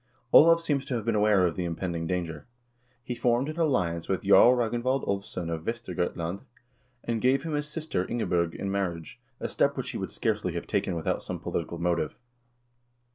Olav seems to have been aware of the impending danger. He formed an alliance with Jarl Ragnvald Ulvsson of Vestergotland, and gave him his sister Ingebj0rg in mar riage, a step which he would scarcely have taken without some polit ical motive.